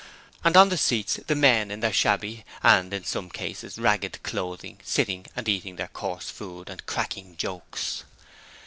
And on the seats the men in their shabby and in some cases ragged clothing sitting and eating their coarse food and cracking jokes.